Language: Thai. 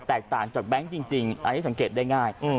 ต่างจากแบงค์จริงอันนี้สังเกตได้ง่าย